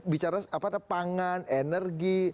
bicara apa ada pangan energi